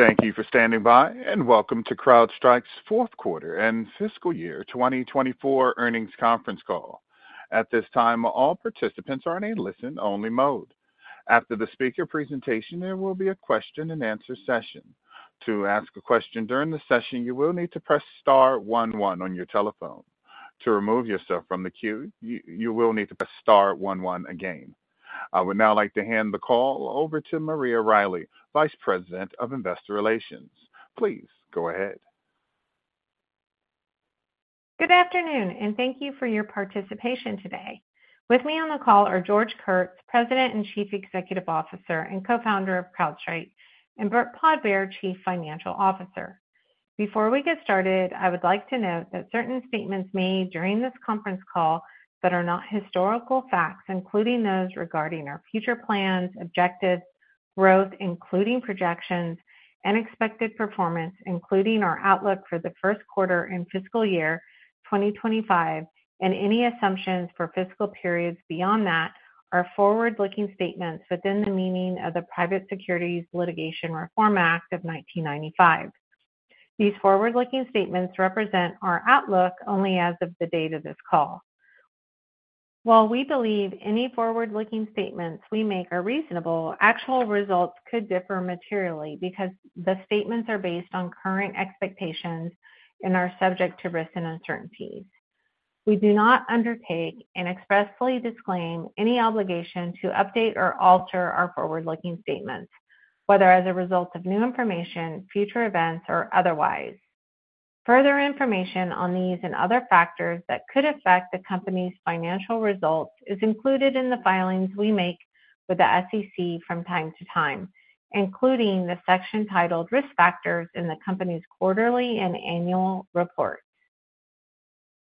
Thank you for standing by, and welcome to CrowdStrike's fourth quarter and fiscal year 2024 earnings conference call. At this time, all participants are in a listen-only mode. After the speaker presentation, there will be a question-and-answer session. To ask a question during the session, you will need to press star one one on your telephone. To remove yourself from the queue, you will need to press star one one again. I would now like to hand the call over to Maria Riley, Vice President of Investor Relations. Please go ahead. Good afternoon, and thank you for your participation today. With me on the call are George Kurtz, President and Chief Executive Officer and Co-Founder of CrowdStrike, and Burt Podbere, Chief Financial Officer. Before we get started, I would like to note that certain statements made during this conference call that are not historical facts, including those regarding our future plans, objectives, growth including projections, and expected performance including our outlook for the first quarter and fiscal year 2025, and any assumptions for fiscal periods beyond that, are forward-looking statements within the meaning of the Private Securities Litigation Reform Act of 1995. These forward-looking statements represent our outlook only as of the date of this call. While we believe any forward-looking statements we make are reasonable, actual results could differ materially because the statements are based on current expectations and are subject to risk and uncertainties. We do not undertake and expressly disclaim any obligation to update or alter our forward-looking statements, whether as a result of new information, future events, or otherwise. Further information on these and other factors that could affect the company's financial results is included in the filings we make with the SEC from time to time, including the section titled "Risk Factors" in the company's quarterly and annual report.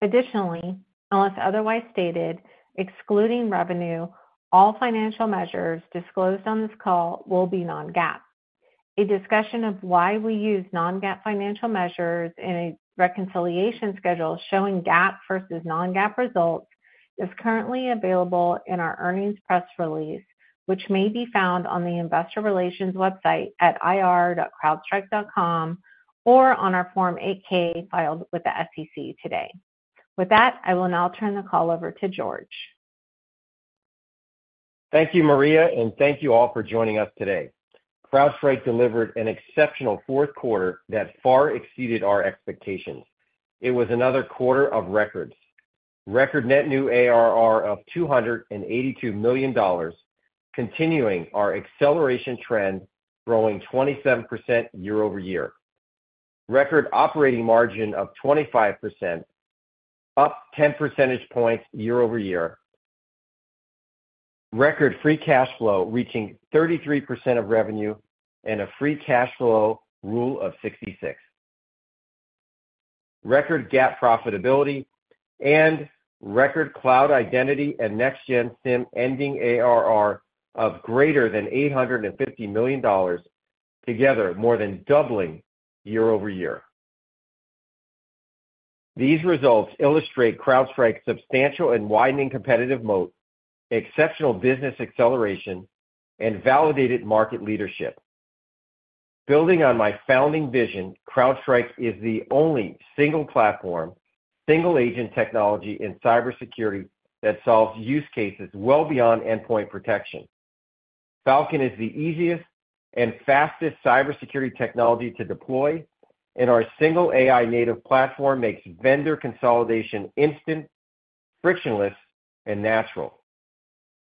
Additionally, unless otherwise stated, excluding revenue, all financial measures disclosed on this call will be non-GAAP. A discussion of why we use non-GAAP financial measures in a reconciliation schedule showing GAAP versus non-GAAP results is currently available in our earnings press release, which may be found on the Investor Relations website at ir.crowdstrike.com or on our Form 8-K filed with the SEC today. With that, I will now turn the call over to George. Thank you, Maria, and thank you all for joining us today. CrowdStrike delivered an exceptional fourth quarter that far exceeded our expectations. It was another quarter of records: record net new ARR of $282 million, continuing our acceleration trend growing 27% year-over-year, record operating margin of 25%, up 10 percentage points year-over-year, record free cash flow reaching 33% of revenue and a free cash flow Rule of 66, record GAAP profitability, and record cloud identity and Next-Gen SIEM ending ARR of greater than $850 million, together more than doubling year-over-year. These results illustrate CrowdStrike's substantial and widening competitive moat, exceptional business acceleration, and validated market leadership. Building on my founding vision, CrowdStrike is the only single platform, single-agent technology in cybersecurity that solves use cases well beyond endpoint protection. Falcon is the easiest and fastest cybersecurity technology to deploy, and our single AI-native platform makes vendor consolidation instant, frictionless, and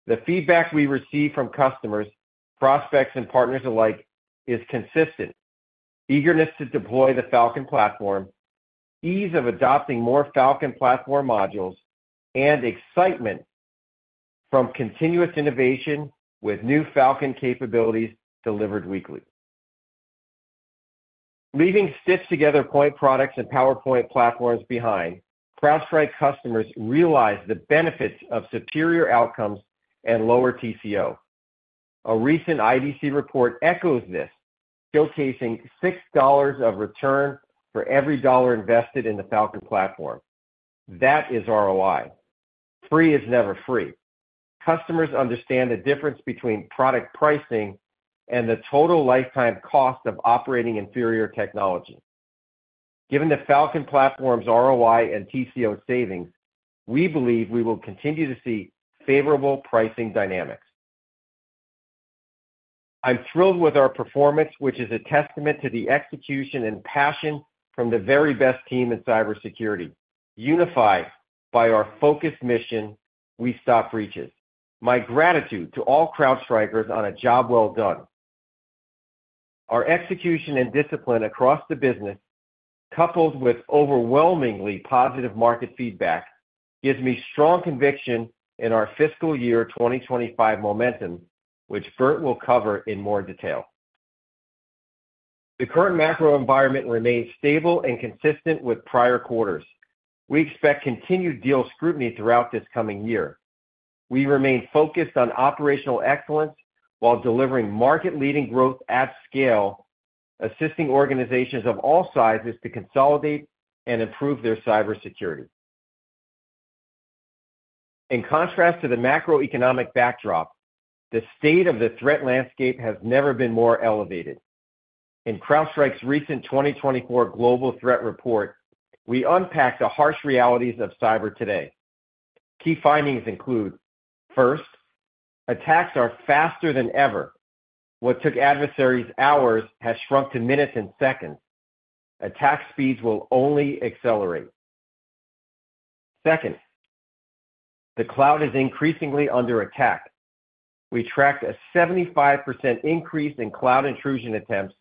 natural. The feedback we receive from customers, prospects, and partners alike is consistent: eagerness to deploy the Falcon platform, ease of adopting more Falcon platform modules, and excitement from continuous innovation with new Falcon capabilities delivered weekly. Leaving stitched-together point products and PowerPoint platforms behind, CrowdStrike customers realize the benefits of superior outcomes and lower TCO. A recent IDC report echoes this, showcasing $6 of return for every dollar invested in the Falcon platform. That is ROI. Free is never free. Customers understand the difference between product pricing and the total lifetime cost of operating inferior technology. Given the Falcon platform's ROI and TCO savings, we believe we will continue to see favorable pricing dynamics. I'm thrilled with our performance, which is a testament to the execution and passion from the very best team in cybersecurity, unified by our focused mission, "We Stop Breaches." My gratitude to all CrowdStrikers on a job well done. Our execution and discipline across the business, coupled with overwhelmingly positive market feedback, gives me strong conviction in our fiscal year 2025 momentum, which Burt will cover in more detail. The current macro environment remains stable and consistent with prior quarters. We expect continued deal scrutiny throughout this coming year. We remain focused on operational excellence while delivering market-leading growth at scale, assisting organizations of all sizes to consolidate and improve their cybersecurity. In contrast to the macroeconomic backdrop, the state of the threat landscape has never been more elevated. In CrowdStrike's recent 2024 global threat report, we unpacked the harsh realities of cyber today. Key findings include: first, attacks are faster than ever. What took adversaries hours has shrunk to minutes and seconds. Attack speeds will only accelerate. Second, the cloud is increasingly under attack. We tracked a 75% increase in cloud intrusion attempts.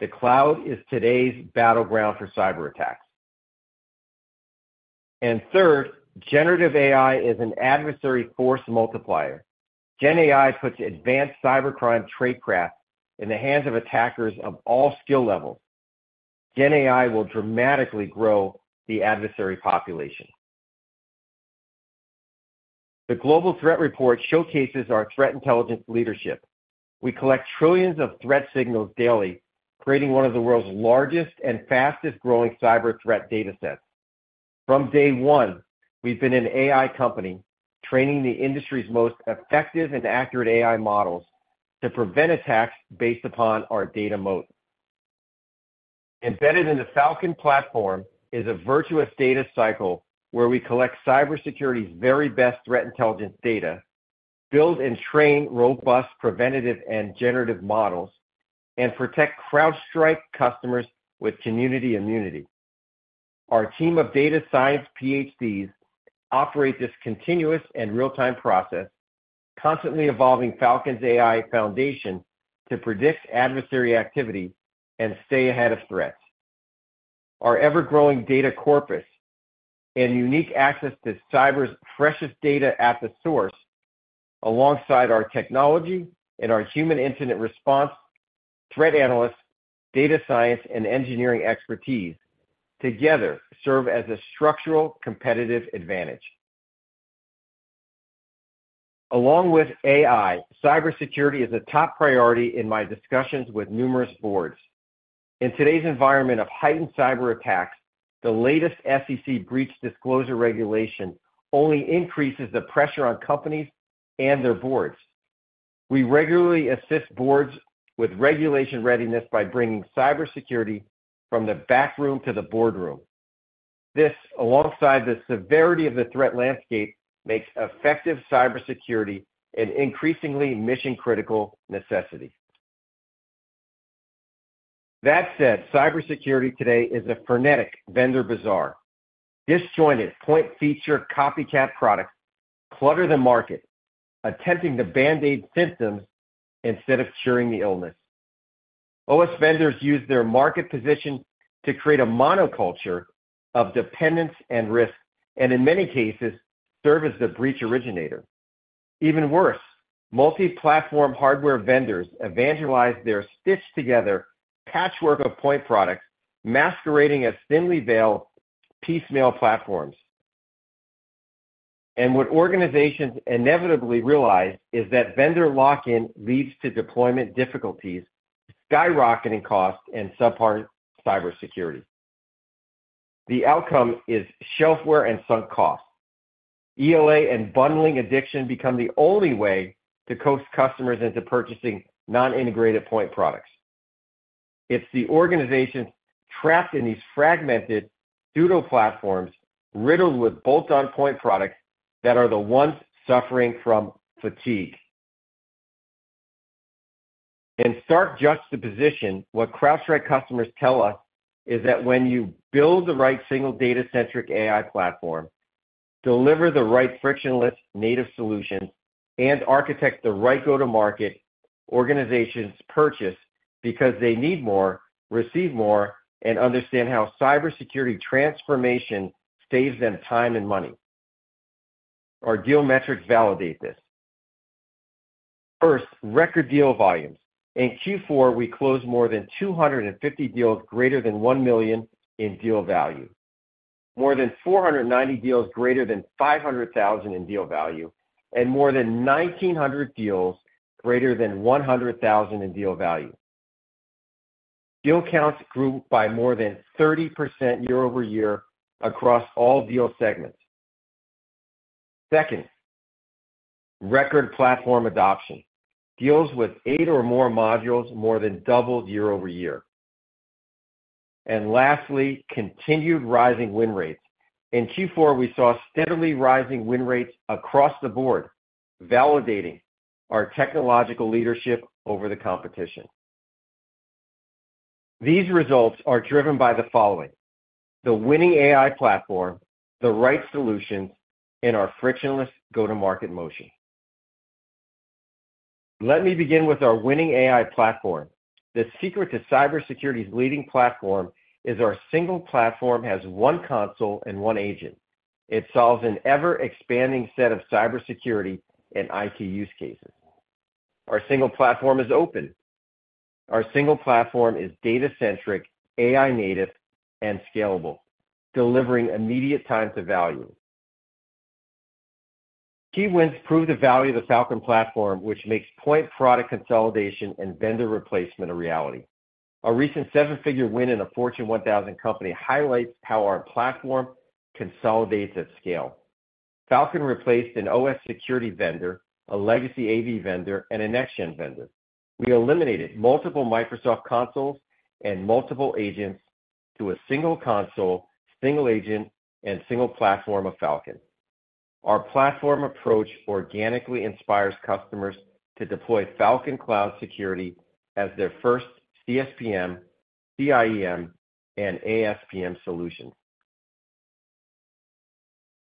The cloud is today's battleground for cyberattacks. And third, generative AI is an adversary force multiplier. GenAI puts advanced cybercrime tradecraft in the hands of attackers of all skill levels. GenAI will dramatically grow the adversary population. The global threat report showcases our threat intelligence leadership. We collect trillions of threat signals daily, creating one of the world's largest and fastest-growing cyber threat datasets. From day one, we've been an AI company training the industry's most effective and accurate AI models to prevent attacks based upon our data moat. Embedded in the Falcon platform is a virtuous data cycle where we collect cybersecurity's very best threat intelligence data, build and train robust preventative and generative models, and protect CrowdStrike customers with community immunity. Our team of data science PhDs operate this continuous and real-time process, constantly evolving Falcon's AI foundation to predict adversary activity and stay ahead of threats. Our ever-growing data corpus and unique access to cyber's freshest data at the source, alongside our technology and our human incident response, threat analysts, data science, and engineering expertise, together serve as a structural competitive advantage. Along with AI, cybersecurity is a top priority in my discussions with numerous boards. In today's environment of heightened cyberattacks, the latest SEC Breach Disclosure Regulation only increases the pressure on companies and their boards. We regularly assist boards with regulation readiness by bringing cybersecurity from the backroom to the boardroom. This, alongside the severity of the threat landscape, makes effective cybersecurity an increasingly mission-critical necessity. That said, cybersecurity today is a frenetic vendor bazaar. Disjointed point feature copycat products clutter the market, attempting to band-aid symptoms instead of curing the illness. OS vendors use their market position to create a monoculture of dependence and risk, and in many cases, serve as the breach originator. Even worse, multi-platform hardware vendors evangelize their stitched-together patchwork of point products, masquerading as thinly veiled piecemeal platforms. What organizations inevitably realize is that vendor lock-in leads to deployment difficulties, skyrocketing costs in subpar cybersecurity. The outcome is shelfware and sunk costs. ELA and bundling addiction become the only way to coast customers into purchasing non-integrated point products. It's the organizations trapped in these fragmented pseudo platforms, riddled with bolt-on point products, that are the ones suffering from fatigue. And to start just the position, what CrowdStrike customers tell us is that when you build the right single data-centric AI platform, deliver the right frictionless native solutions, and architect the right go-to-market, organizations purchase because they need more, receive more, and understand how cybersecurity transformation saves them time and money. Our deal metrics validate this. First, record deal volumes. In Q4, we closed more than 250 deals greater than $1 million in deal value, more than 490 deals greater than $500,000 in deal value, and more than 1,900 deals greater than $100,000 in deal value. Deal counts grew by more than 30% year-over-year across all deal segments. Second, record platform adoption, deals with eight or more modules more than doubled year-over-year. And lastly, continued rising win rates. In Q4, we saw steadily rising win rates across the board, validating our technological leadership over the competition. These results are driven by the following: the winning AI platform, the right solutions, and our frictionless go-to-market motion. Let me begin with our winning AI platform. The secret to cybersecurity's leading platform is our single platform has one console and one agent. It solves an ever-expanding set of cybersecurity and IT use cases. Our single platform is open. Our single platform is data-centric, AI-native, and scalable, delivering immediate time-to-value. Key wins prove the value of the Falcon platform, which makes point product consolidation and vendor replacement a reality. A recent seven-figure win in a Fortune 1000 company highlights how our platform consolidates at scale. Falcon replaced an OS security vendor, a legacy AV vendor, and a next-gen vendor. We eliminated multiple Microsoft consoles and multiple agents to a single console, single agent, and single platform of Falcon. Our platform approach organically inspires customers to deploy Falcon Cloud Security as their first CSPM, CIEM, and ASPM solutions.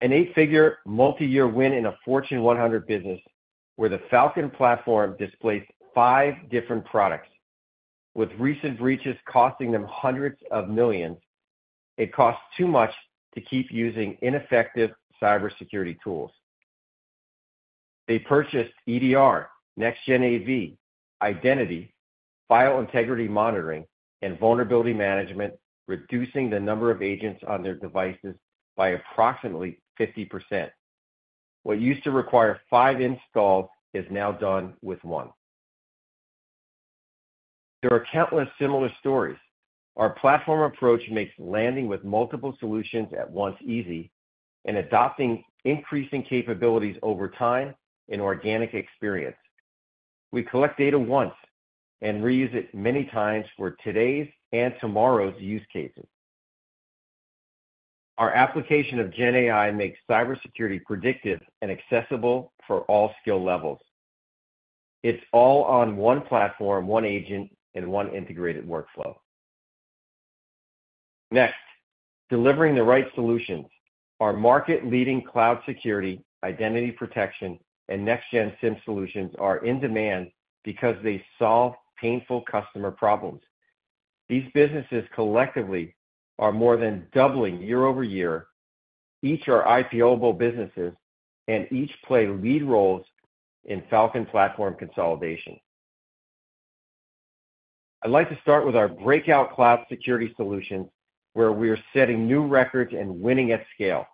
An 8-figure multi-year win in a Fortune 100 business where the Falcon platform displaced 5 different products. With recent breaches costing them $hundreds of millions, it costs too much to keep using ineffective cybersecurity tools. They purchased EDR, next-gen AV, identity, file integrity monitoring, and vulnerability management, reducing the number of agents on their devices by approximately 50%. What used to require 5 installs is now done with 1. There are countless similar stories. Our platform approach makes landing with multiple solutions at once easy and adopting increasing capabilities over time an organic experience. We collect data once and reuse it many times for today's and tomorrow's use cases. Our application of GenAI makes cybersecurity predictive and accessible for all skill levels. It's all on one platform, one agent, and one integrated workflow. Next, delivering the right solutions. Our market-leading cloud security, identity protection, and Next-Gen SIEM solutions are in demand because they solve painful customer problems. These businesses collectively are more than doubling year-over-year, each are IPOable businesses, and each play lead roles in Falcon platform consolidation. I'd like to start with our breakout cloud security solutions, where we are setting new records and winning at scale.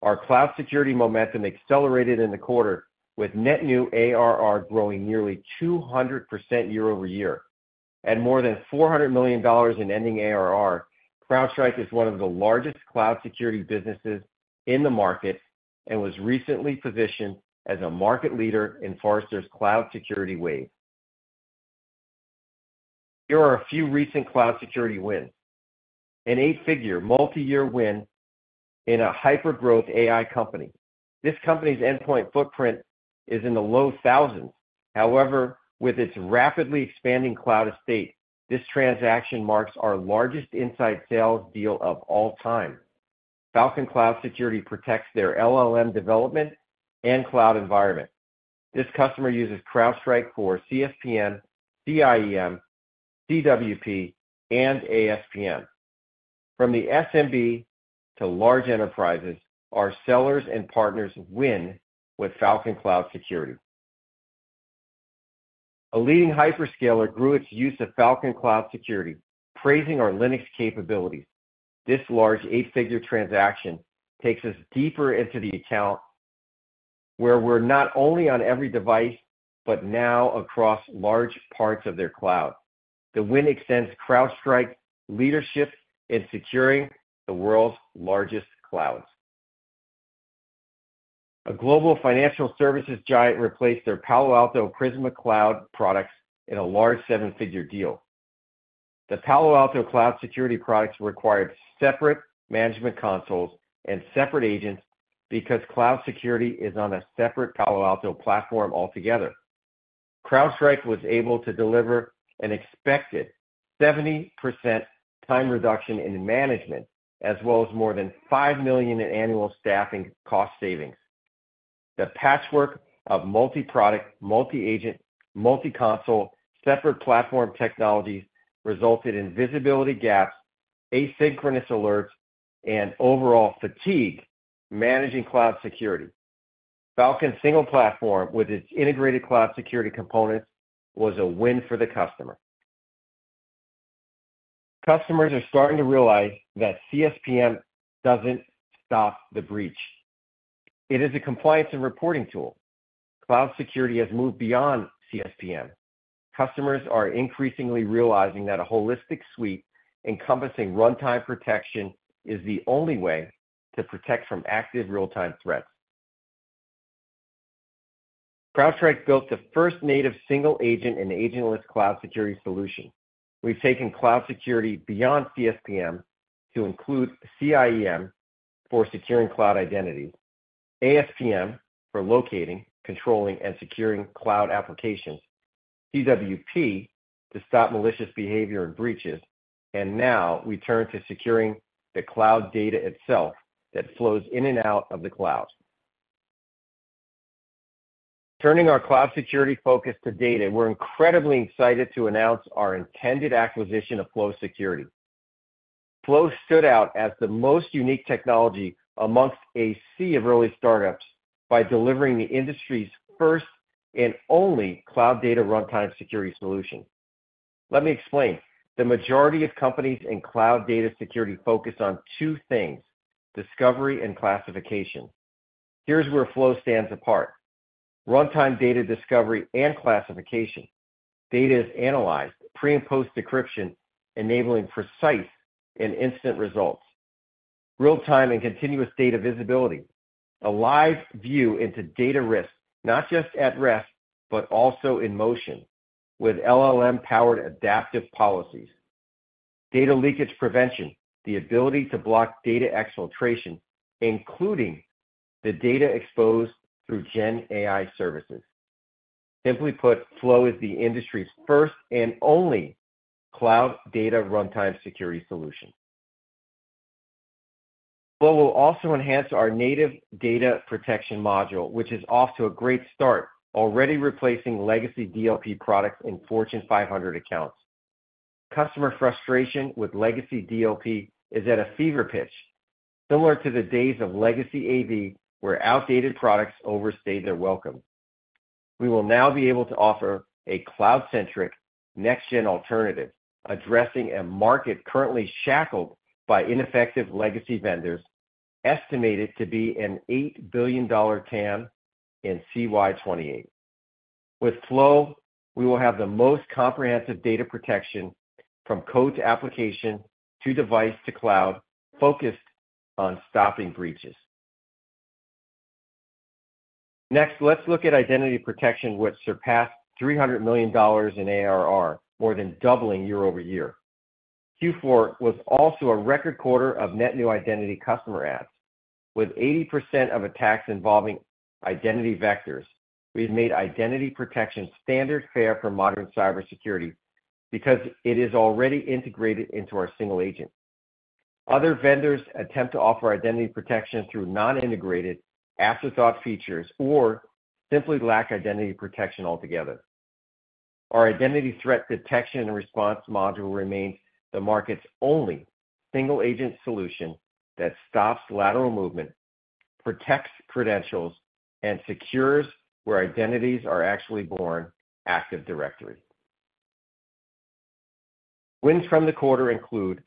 Our cloud security momentum accelerated in the quarter, with net new ARR growing nearly 200% year-over-year. At more than $400 million in ending ARR, CrowdStrike is one of the largest cloud security businesses in the market and was recently positioned as a market leader in Forrester's Cloud Security Wave. Here are a few recent cloud security wins. An eight-figure multi-year win in a hyper-growth AI company. This company's endpoint footprint is in the low thousands. However, with its rapidly expanding cloud estate, this transaction marks our largest inside sales deal of all time. Falcon Cloud Security protects their LLM development and cloud environment. This customer uses CrowdStrike for CSPM, CIEM, CWP, and ASPM. From the SMB to large enterprises, our sellers and partners win with Falcon Cloud Security. A leading hyperscaler grew its use of Falcon Cloud Security, praising our Linux capabilities. This large eight-figure transaction takes us deeper into the account, where we're not only on every device but now across large parts of their cloud. The win extends CrowdStrike's leadership in securing the world's largest clouds. A global financial services giant replaced their Palo Alto Prisma Cloud products in a large seven-figure deal. The Palo Alto Cloud Security products required separate management consoles and separate agents because cloud security is on a separate Palo Alto platform altogether. CrowdStrike was able to deliver an expected 70% time reduction in management, as well as more than $5 million in annual staffing cost savings. The patchwork of multi-product, multi-agent, multi-console, separate platform technologies resulted in visibility gaps, asynchronous alerts, and overall fatigue managing cloud security. Falcon's single platform, with its integrated cloud security components, was a win for the customer. Customers are starting to realize that CSPM doesn't stop the breach. It is a compliance and reporting tool. Cloud security has moved beyond CSPM. Customers are increasingly realizing that a holistic suite encompassing runtime protection is the only way to protect from active real-time threats. CrowdStrike built the first native single agent and agentless cloud security solution. We've taken cloud security beyond CSPM to include CIEM for securing cloud identities, ASPM for locating, controlling, and securing cloud applications, CWP to stop malicious behavior and breaches, and now we turn to securing the cloud data itself that flows in and out of the cloud. Turning our cloud security focus to data, we're incredibly excited to announce our intended acquisition of Flow Security. Flow stood out as the most unique technology amongst a sea of early startups by delivering the industry's first and only cloud data runtime security solution. Let me explain. The majority of companies in cloud data security focus on two things: discovery and classification. Here's where Flow stands apart: runtime data discovery and classification. Data is analyzed, pre and post-decryption, enabling precise and instant results. Real-time and continuous data visibility: a live view into data risk, not just at rest but also in motion, with LLM-powered adaptive policies. Data leakage prevention: the ability to block data exfiltration, including the data exposed through GenAI services. Simply put, Flow is the industry's first and only cloud data runtime security solution. Flow will also enhance our native data protection module, which is off to a great start, already replacing legacy DLP products in Fortune 500 accounts. Customer frustration with legacy DLP is at a fever pitch, similar to the days of legacy AV where outdated products overstayed their welcome. We will now be able to offer a cloud-centric, next-gen alternative, addressing a market currently shackled by ineffective legacy vendors, estimated to be an $8 billion TAM in CY28. With Flow, we will have the most comprehensive data protection, from code to application to device to cloud, focused on stopping breaches. Next, let's look at identity protection, which surpassed $300 million in ARR, more than doubling year-over-year. Q4 was also a record quarter of net new identity customer adds. With 80% of attacks involving identity vectors, we've made identity protection standard fare for modern cybersecurity because it is already integrated into our single agent. Other vendors attempt to offer identity protection through non-integrated, afterthought features, or simply lack identity protection altogether. Our identity threat detection and response module remains the market's only single-agent solution that stops lateral movement, protects credentials, and secures where identities are actually born: Active Directory. Wins from the quarter include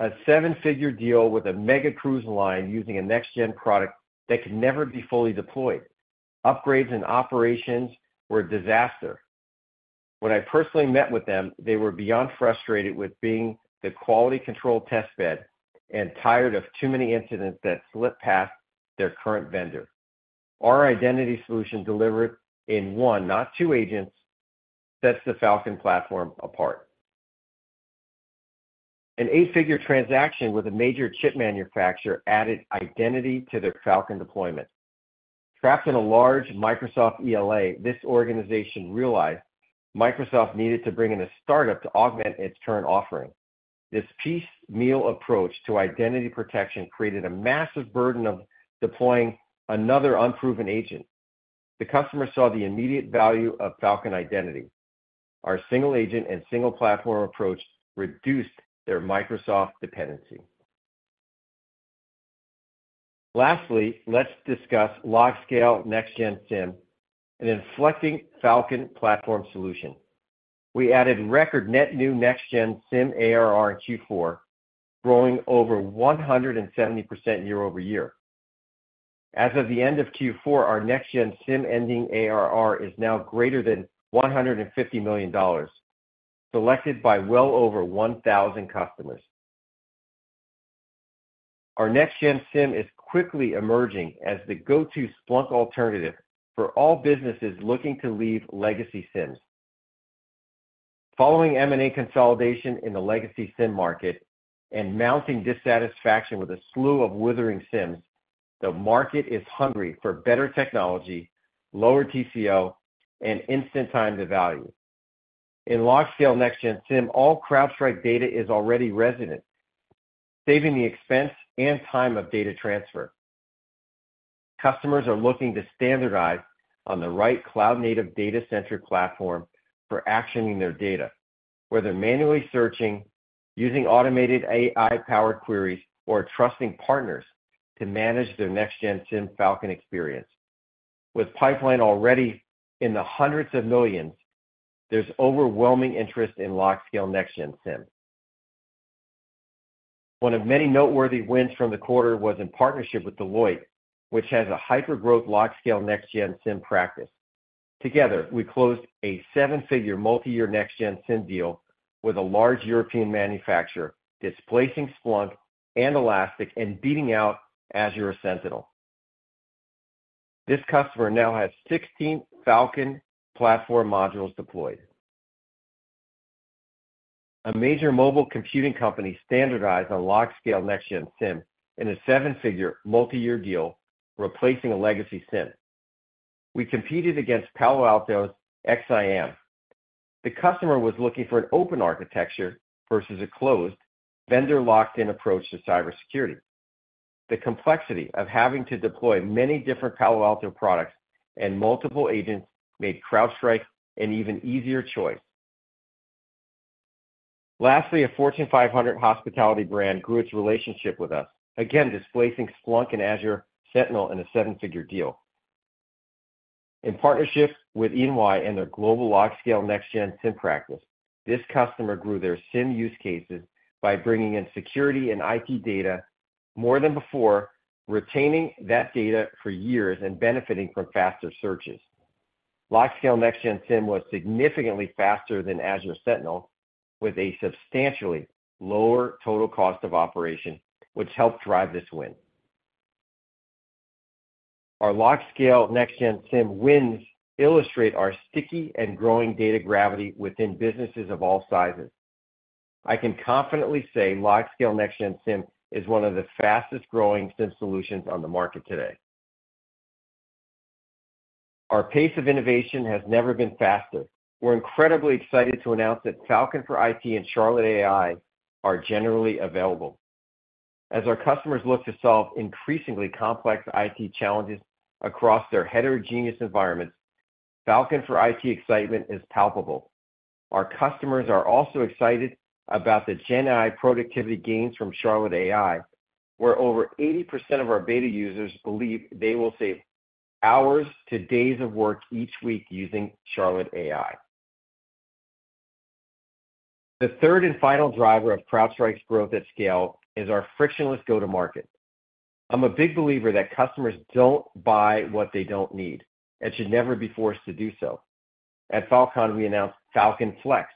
a seven-figure deal with a mega cruise line using a next-gen product that could never be fully deployed. Upgrades and operations were a disaster. When I personally met with them, they were beyond frustrated with being the quality control testbed and tired of too many incidents that slipped past their current vendor. Our identity solution delivered in 1, not 2 agents sets the Falcon platform apart. An 8-figure transaction with a major chip manufacturer added identity to their Falcon deployment. Trapped in a large Microsoft ELA, this organization realized Microsoft needed to bring in a startup to augment its current offering. This piecemeal approach to identity protection created a massive burden of deploying another unproven agent. The customer saw the immediate value of Falcon identity. Our single-agent and single-platform approach reduced their Microsoft dependency. Lastly, let's discuss large-scale Next-Gen SIEM, an inflecting Falcon platform solution. We added record net new Next-Gen SIEM ARR in Q4, growing over 170% year-over-year. As of the end of Q4, our Next-Gen SIEM ending ARR is now greater than $150 million, selected by well over 1,000 customers. Our Next-Gen SIEM is quickly emerging as the go-to Splunk alternative for all businesses looking to leave legacy SIEMs. Following M&A consolidation in the legacy SIEM market and mounting dissatisfaction with a slew of withering SIEMs, the market is hungry for better technology, lower TCO, and instant time-to-value. In large-scale Next-Gen SIEM, all CrowdStrike data is already resident, saving the expense and time of data transfer. Customers are looking to standardize on the right cloud-native data-centric platform for actioning their data, whether manually searching, using automated AI-powered queries, or trusting partners to manage their Next-Gen SIEM Falcon experience. With pipeline already in the $ hundreds of millions, there's overwhelming interest in large-scale Next-Gen SIEM. One of many noteworthy wins from the quarter was in partnership with Deloitte, which has a hyper-growth large-scale Next-Gen SIEM practice. Together, we closed a seven-figure multi-year Next-Gen SIEM deal with a large European manufacturer, displacing Splunk and Elastic and beating out Azure Sentinel. This customer now has 16 Falcon platform modules deployed. A major mobile computing company standardized on large-scale Next-Gen SIEM in a seven-figure multi-year deal, replacing a legacy SIEM. We competed against Palo Alto's XIM. The customer was looking for an open architecture versus a closed, vendor-locked-in approach to cybersecurity. The complexity of having to deploy many different Palo Alto products and multiple agents made CrowdStrike an even easier choice. Lastly, a Fortune 500 hospitality brand grew its relationship with us, again displacing Splunk and Azure Sentinel in a seven-figure deal. In partnership with EY and their global large-scale Next-Gen SIEM practice, this customer grew their SIEM use cases by bringing in security and IT data more than before, retaining that data for years, and benefiting from faster searches. Large-scale Next-Gen SIEM was significantly faster than Azure Sentinel, with a substantially lower total cost of operation, which helped drive this win. Our large-scale Next-Gen SIEM wins illustrate our sticky and growing data gravity within businesses of all sizes. I can confidently say large-scale Next-Gen SIEM is one of the fastest-growing SIEM solutions on the market today. Our pace of innovation has never been faster. We're incredibly excited to announce that Falcon for IT and Charlotte AI are generally available. As our customers look to solve increasingly complex IT challenges across their heterogeneous environments, Falcon for IT excitement is palpable. Our customers are also excited about the GenAI productivity gains from Charlotte AI, where over 80% of our beta users believe they will save hours to days of work each week using Charlotte AI. The third and final driver of CrowdStrike's growth at scale is our frictionless go-to-market. I'm a big believer that customers don't buy what they don't need and should never be forced to do so. At Falcon, we announced Falcon Flex,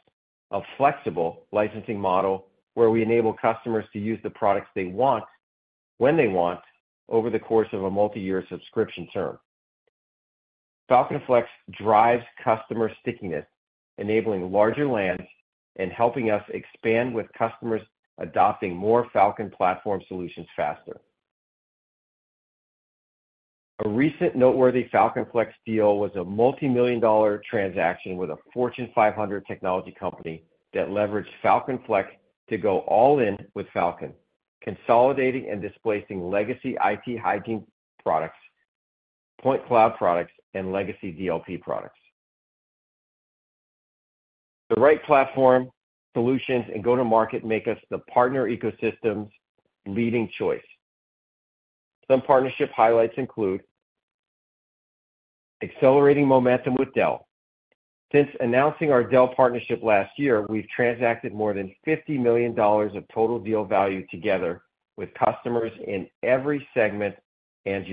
a flexible licensing model where we enable customers to use the products they want when they want over the course of a multi-year subscription term. Falcon Flex drives customer stickiness, enabling larger lands and helping us expand with customers adopting more Falcon platform solutions faster. A recent noteworthy Falcon Flex deal was a $multi-million transaction with a Fortune 500 technology company that leveraged Falcon Flex to go all-in with Falcon, consolidating and displacing legacy IT hygiene products, point cloud products, and legacy DLP products. The right platform solutions and go-to-market make us the partner ecosystem's leading choice. Some partnership highlights include accelerating momentum with Dell. Since announcing our Dell partnership last year, we've transacted more than $50 million of total deal value together with customers in every segment and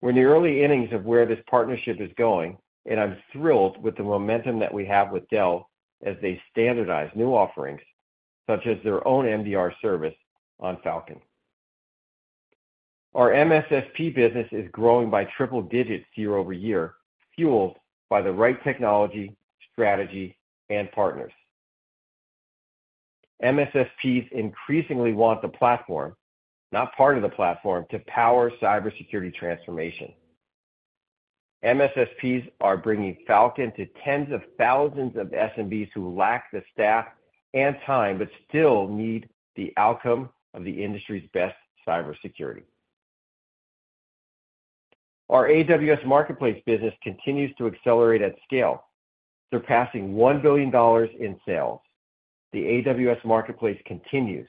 geography. We're in the early innings of where this partnership is going, and I'm thrilled with the momentum that we have with Dell as they standardize new offerings, such as their own MDR service, on Falcon. Our MSSP business is growing by triple digits year-over-year, fueled by the right technology, strategy, and partners. MSSPs increasingly want the platform, not part of the platform, to power cybersecurity transformation. MSSPs are bringing Falcon to tens of thousands of SMBs who lack the staff and time but still need the outcome of the industry's best cybersecurity. Our AWS Marketplace business continues to accelerate at scale, surpassing $1 billion in sales. The AWS Marketplace continues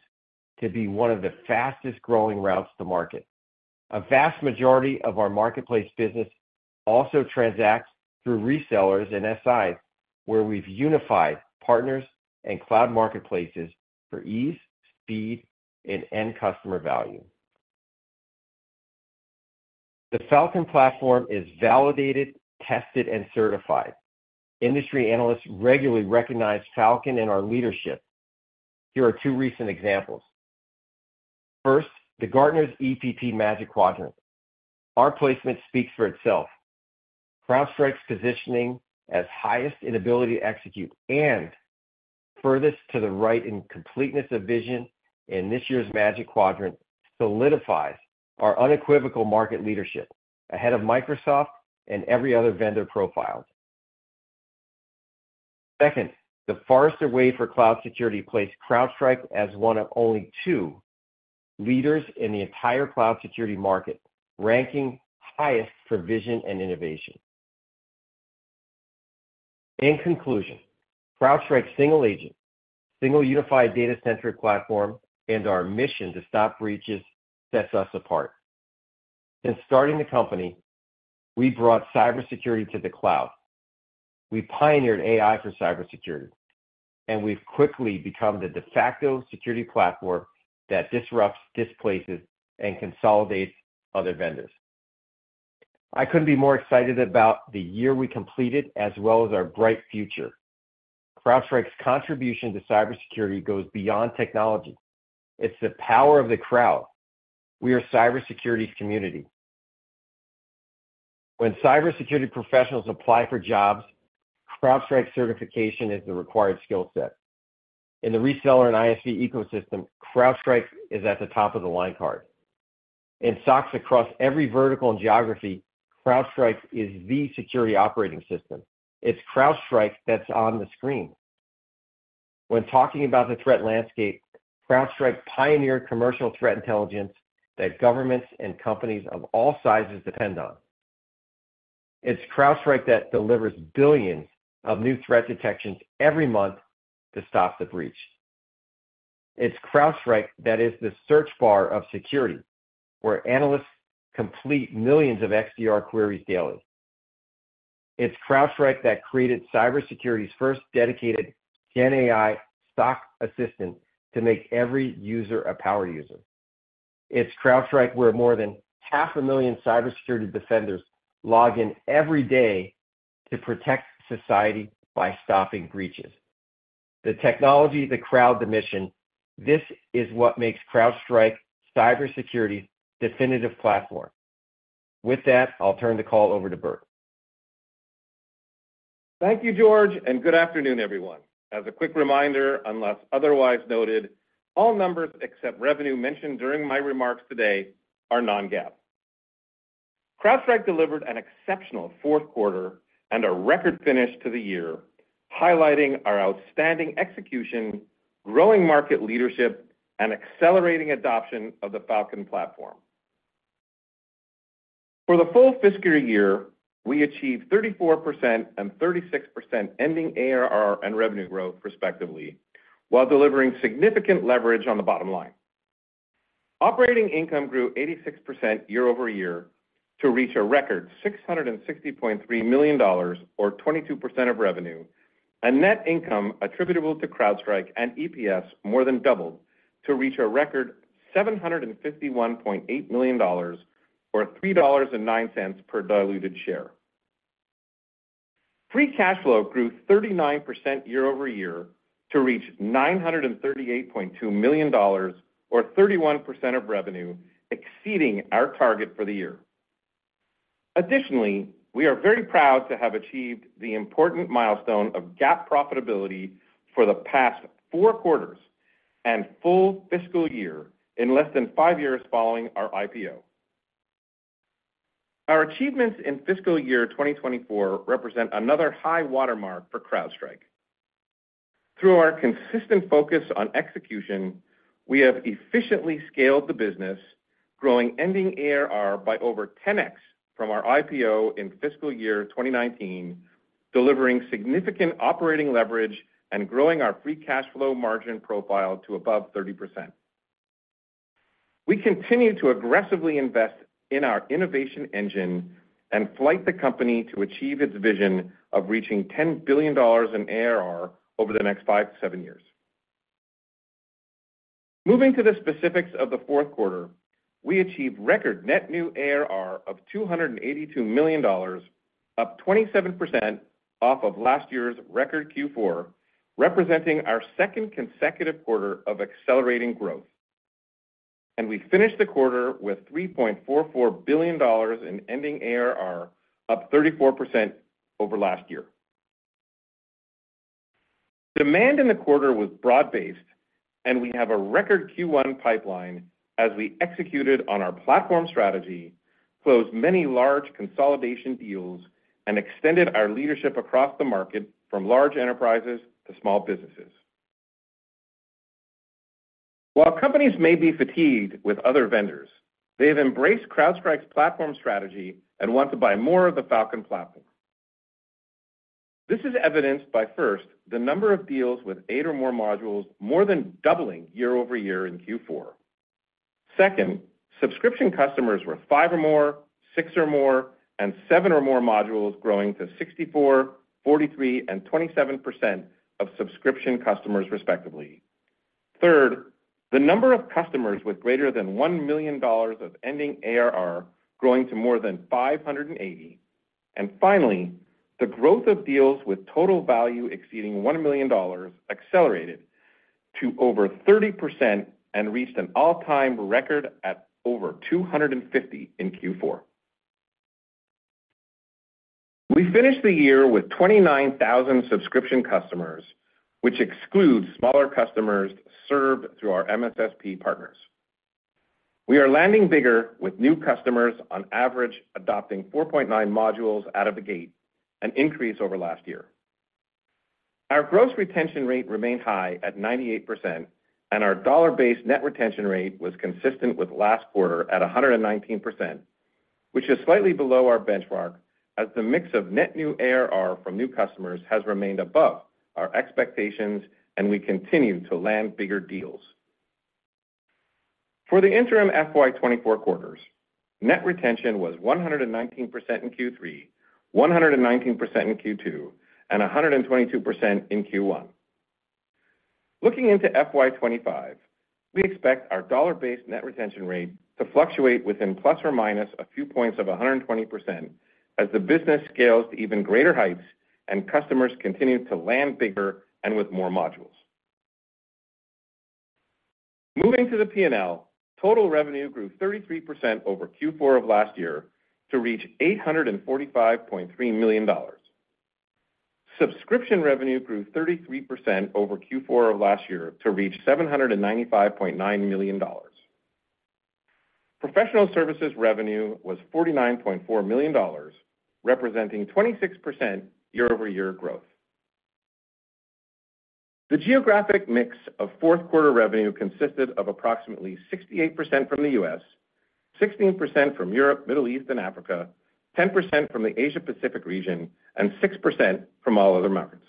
to be one of the fastest-growing routes to market. A vast majority of our marketplace business also transacts through resellers and SIs, where we've unified partners and cloud marketplaces for ease, speed, and end customer value. The Falcon platform is validated, tested, and certified. Industry analysts regularly recognize Falcon in our leadership. Here are two recent examples. First, Gartner's EPP Magic Quadrant. Our placement speaks for itself. CrowdStrike's positioning as highest in ability to execute and furthest to the right in completeness of vision in this year's Magic Quadrant solidifies our unequivocal market leadership, ahead of Microsoft and every other vendor profiled. Second, the Forrester Wave for Cloud Security placed CrowdStrike as one of only two leaders in the entire cloud security market, ranking highest for vision and innovation. In conclusion, CrowdStrike's single agent, single unified data-centric platform, and our mission to stop breaches sets us apart. Since starting the company, we brought cybersecurity to the cloud. We pioneered AI for cybersecurity, and we've quickly become the de facto security platform that disrupts, displaces, and consolidates other vendors. I couldn't be more excited about the year we completed as well as our bright future. CrowdStrike's contribution to cybersecurity goes beyond technology. It's the power of the crowd. We are a cybersecurity community. When cybersecurity professionals apply for jobs, CrowdStrike certification is the required skill set. In the reseller and ISV ecosystem, CrowdStrike is at the top of the line card. In SOCs across every vertical and geography, CrowdStrike is the security operating system. It's CrowdStrike that's on the screen. When talking about the threat landscape, CrowdStrike pioneered commercial threat intelligence that governments and companies of all sizes depend on. It's CrowdStrike that delivers billions of new threat detections every month to stop the breach. It's CrowdStrike that is the search bar of security, where analysts complete millions of XDR queries daily. It's CrowdStrike that created cybersecurity's first dedicated GenAI SOC assistant to make every user a power user. It's CrowdStrike where more than half a million cybersecurity defenders log in every day to protect society by stopping breaches. The technology, the crowd, the mission: this is what makes CrowdStrike cybersecurity's definitive platform. With that, I'll turn the call over to Burt. Thank you, George, and good afternoon, everyone. As a quick reminder, unless otherwise noted, all numbers except revenue mentioned during my remarks today are non-GAAP. CrowdStrike delivered an exceptional fourth quarter and a record finish to the year, highlighting our outstanding execution, growing market leadership, and accelerating adoption of the Falcon platform. For the full fiscal year, we achieved 34% and 36% ending ARR and revenue growth, respectively, while delivering significant leverage on the bottom line. Operating income grew 86% year-over-year to reach a record $660.3 million, or 22% of revenue, and net income attributable to CrowdStrike and EPS more than doubled to reach a record $751.8 million, or $3.09 per diluted share. Free cash flow grew 39% year-over-year to reach $938.2 million, or 31% of revenue, exceeding our target for the year. Additionally, we are very proud to have achieved the important milestone of GAAP profitability for the past four quarters and full fiscal year in less than five years following our IPO. Our achievements in fiscal year 2024 represent another high watermark for CrowdStrike. Through our consistent focus on execution, we have efficiently scaled the business, growing ending ARR by over 10x from our IPO in fiscal year 2019, delivering significant operating leverage, and growing our free cash flow margin profile to above 30%. We continue to aggressively invest in our innovation engine and pilot the company to achieve its vision of reaching $10 billion in ARR over the next five to seven years. Moving to the specifics of the fourth quarter, we achieved record net new ARR of $282 million, up 27% off of last year's record Q4, representing our second consecutive quarter of accelerating growth. We finished the quarter with $3.44 billion in ending ARR, up 34% over last year. Demand in the quarter was broad-based, and we have a record Q1 pipeline as we executed on our platform strategy, closed many large consolidation deals, and extended our leadership across the market from large enterprises to small businesses. While companies may be fatigued with other vendors, they have embraced CrowdStrike's platform strategy and want to buy more of the Falcon platform. This is evidenced by, first, the number of deals with eight or more modules more than doubling year-over-year in Q4. Second, subscription customers were five or more, six or more, and seven or more modules growing to 64%, 43%, and 27% of subscription customers, respectively. Third, the number of customers with greater than $1 million of ending ARR growing to more than 580. And finally, the growth of deals with total value exceeding $1 million accelerated to over 30% and reached an all-time record at over 250 in Q4. We finished the year with 29,000 subscription customers, which excludes smaller customers served through our MSSP partners. We are landing bigger with new customers on average adopting 4.9 modules out of the gate, an increase over last year. Our gross retention rate remained high at 98%, and our dollar-based net retention rate was consistent with last quarter at 119%, which is slightly below our benchmark as the mix of net new ARR from new customers has remained above our expectations, and we continue to land bigger deals. For the interim FY2024 quarters, net retention was 119% in Q3, 119% in Q2, and 122% in Q1. Looking into FY25, we expect our dollar-based net retention rate to fluctuate within ± a few points of 120% as the business scales to even greater heights and customers continue to land bigger and with more modules. Moving to the P&L, total revenue grew 33% over Q4 of last year to reach $845.3 million. Subscription revenue grew 33% over Q4 of last year to reach $795.9 million. Professional services revenue was $49.4 million, representing 26% year-over-year growth. The geographic mix of fourth quarter revenue consisted of approximately 68% from the U.S., 16% from Europe, Middle East, and Africa, 10% from the Asia-Pacific region, and 6% from all other markets.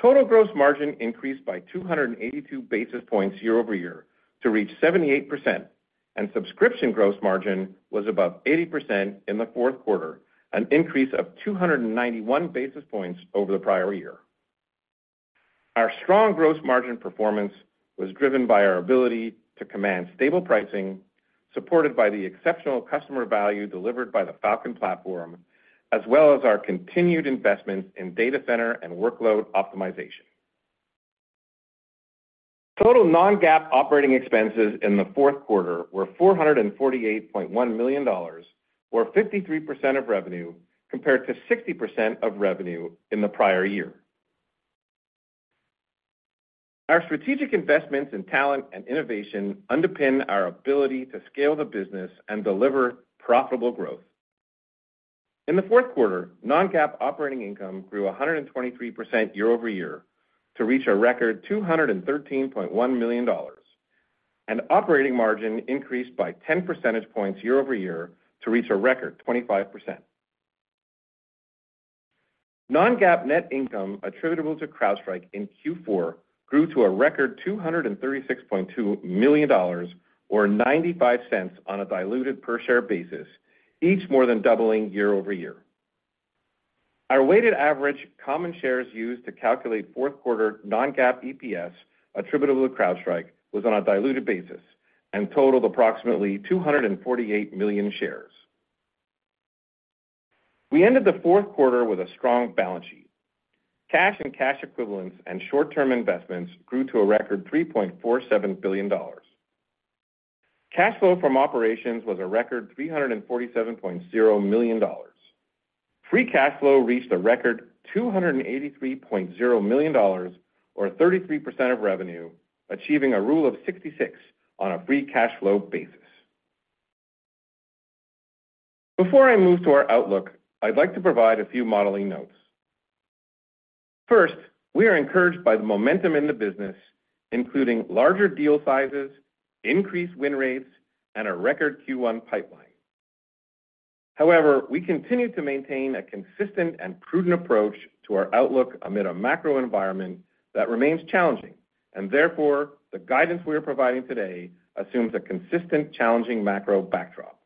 Total gross margin increased by 282 basis points year-over-year to reach 78%, and subscription gross margin was above 80% in the fourth quarter, an increase of 291 basis points over the prior year. Our strong gross margin performance was driven by our ability to command stable pricing, supported by the exceptional customer value delivered by the Falcon platform, as well as our continued investments in data center and workload optimization. Total non-GAAP operating expenses in the fourth quarter were $448.1 million, or 53% of revenue, compared to 60% of revenue in the prior year. Our strategic investments in talent and innovation underpin our ability to scale the business and deliver profitable growth. In the fourth quarter, non-GAAP operating income grew 123% year-over-year to reach a record $213.1 million, and operating margin increased by 10 percentage points year-over-year to reach a record 25%. Non-GAAP net income attributable to CrowdStrike in Q4 grew to a record $236.2 million, or $0.95 on a diluted per-share basis, each more than doubling year-over-year. Our weighted average common shares used to calculate fourth quarter non-GAAP EPS attributable to CrowdStrike was on a diluted basis and totaled approximately 248 million shares. We ended the fourth quarter with a strong balance sheet. Cash and cash equivalents and short-term investments grew to a record $3.47 billion. Cash flow from operations was a record $347.0 million. Free cash flow reached a record $283.0 million, or 33% of revenue, achieving a rule of 66 on a free cash flow basis. Before I move to our outlook, I'd like to provide a few modeling notes. First, we are encouraged by the momentum in the business, including larger deal sizes, increased win rates, and a record Q1 pipeline. However, we continue to maintain a consistent and prudent approach to our outlook amid a macro environment that remains challenging, and therefore the guidance we are providing today assumes a consistent challenging macro backdrop.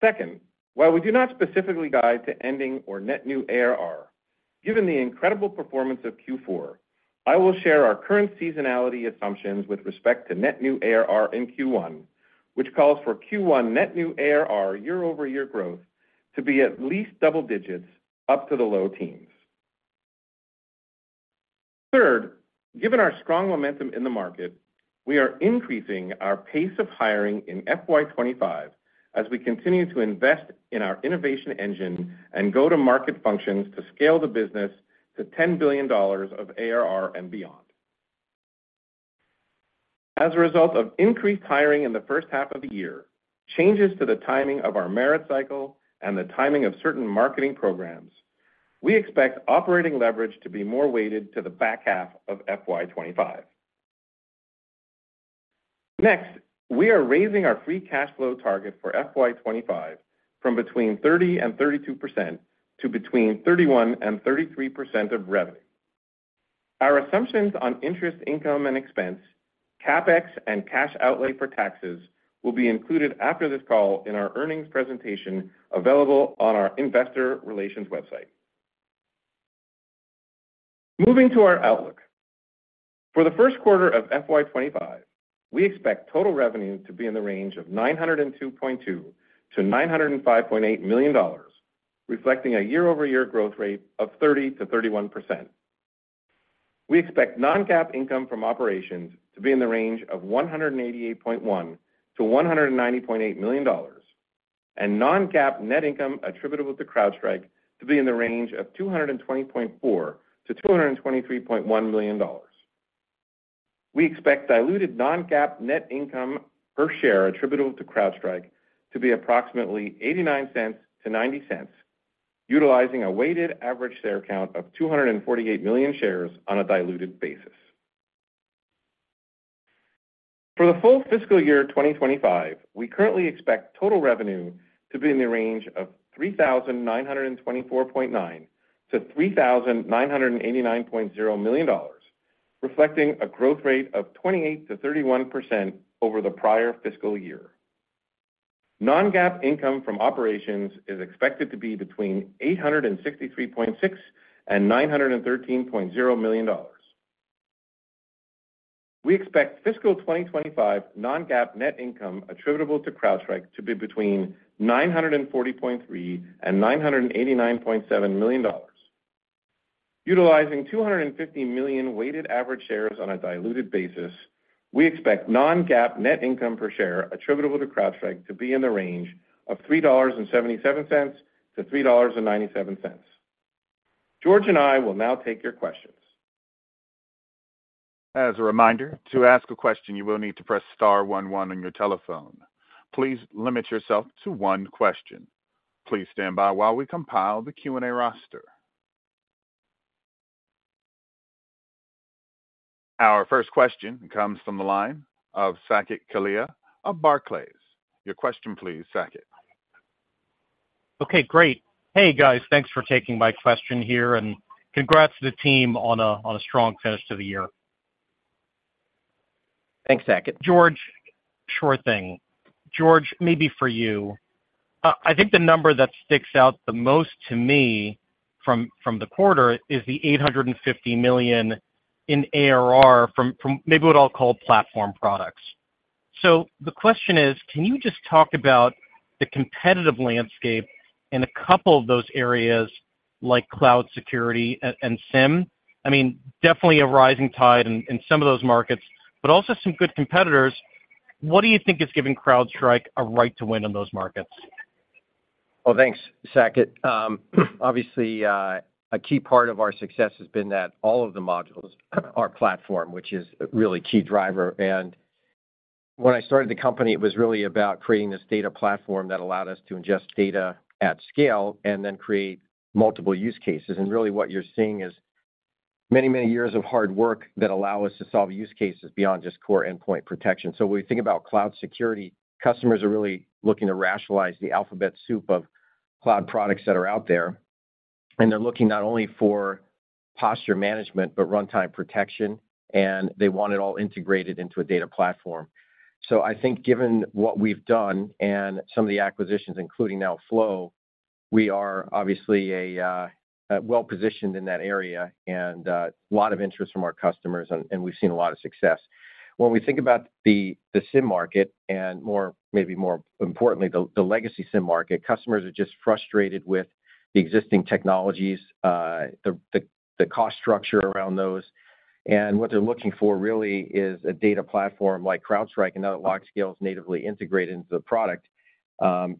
Second, while we do not specifically guide to ending or net new ARR, given the incredible performance of Q4, I will share our current seasonality assumptions with respect to net new ARR in Q1, which calls for Q1 net new ARR year-over-year growth to be at least double digits up to the low teens. Third, given our strong momentum in the market, we are increasing our pace of hiring in FY25 as we continue to invest in our innovation engine and go-to-market functions to scale the business to $10 billion of ARR and beyond. As a result of increased hiring in the first half of the year, changes to the timing of our merit cycle, and the timing of certain marketing programs, we expect operating leverage to be more weighted to the back half of FY25. Next, we are raising our free cash flow target for FY25 from between 30% and 32% to between 31% and 33% of revenue. Our assumptions on interest, income, and expense, CapEx, and cash outlay for taxes will be included after this call in our earnings presentation available on our investor relations website. Moving to our outlook. For the first quarter of FY25, we expect total revenue to be in the range of $902.2-$905.8 million, reflecting a year-over-year growth rate of 30%-31%. We expect non-GAAP income from operations to be in the range of $188.1 million-$190.8 million, and non-GAAP net income attributable to CrowdStrike to be in the range of $220.4 million-$223.1 million. We expect diluted non-GAAP net income per share attributable to CrowdStrike to be approximately $0.89-$0.90, utilizing a weighted average share count of 248 million shares on a diluted basis. For the full fiscal year 2025, we currently expect total revenue to be in the range of $3,924.9 million-$3,989.0 million, reflecting a growth rate of 28%-31% over the prior fiscal year. Non-GAAP income from operations is expected to be between $863.6 and $913.0 million. We expect fiscal 2025 non-GAAP net income attributable to CrowdStrike to be between $940.3 and $989.7 million. Utilizing 250 million weighted average shares on a diluted basis, we expect non-GAAP net income per share attributable to CrowdStrike to be in the range of $3.77-$3.97. George and I will now take your questions. As a reminder, to ask a question, you will need to press star one one on your telephone. Please limit yourself to one question. Please stand by while we compile the Q&A roster. Our first question comes from the line of Saket Kalia of Barclays. Your question, please, Saket. Okay, great. Hey, guys, thanks for taking my question here, and congrats to the team on a strong finish to the year. Thanks, Saket. George, short thing. George, maybe for you. I think the number that sticks out the most to me from the quarter is the $850 million in ARR from maybe what I'll call platform products. So the question is, can you just talk about the competitive landscape in a couple of those areas like cloud security and SIEM? I mean, definitely a rising tide in some of those markets, but also some good competitors. What do you think is giving CrowdStrike a right to win in those markets? Well, thanks, Saket. Obviously, a key part of our success has been that all of the modules are platform, which is a really key driver. When I started the company, it was really about creating this data platform that allowed us to ingest data at scale and then create multiple use cases. Really what you're seeing is many, many years of hard work that allow us to solve use cases beyond just core endpoint protection. When we think about cloud security, customers are really looking to rationalize the alphabet soup of cloud products that are out there. They're looking not only for posture management, but runtime protection, and they want it all integrated into a data platform. So I think given what we've done and some of the acquisitions, including now Flow, we are obviously well-positioned in that area and a lot of interest from our customers, and we've seen a lot of success. When we think about the SIEM market and maybe more importantly, the legacy SIEM market, customers are just frustrated with the existing technologies, the cost structure around those. And what they're looking for really is a data platform like CrowdStrike and other large scales natively integrated into the product.